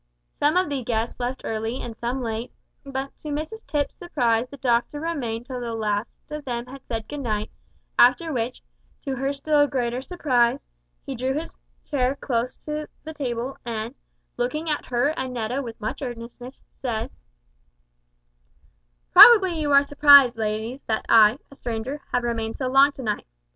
Some of the guests left early and some late, but to Mrs Tipps's surprise the doctor remained till the last of them had said good night, after which, to her still greater surprise, he drew his chair close to the table, and, looking at her and Netta with much earnestness, said "Probably you are surprised, ladies, that I, a stranger, have remained so long to night.